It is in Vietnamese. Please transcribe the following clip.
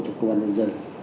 cho công an nhân dân